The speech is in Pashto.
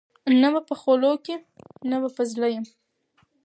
نه به په خولو کي نه به په زړه یم